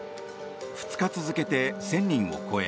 ２日続けて１０００人を超え